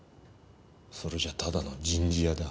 それじゃただの人事屋だ。